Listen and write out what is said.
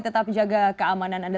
tetap jaga keamanan anda